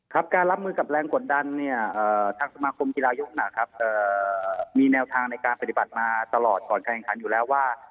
ครับการรับมือกับแรงกดดันเนี่ยทางสมาคมกีฬายกนะครับมีแนวทางในการปฏิบัติมาตลอดก่อนการแข่งขันอยู่แล้วว่า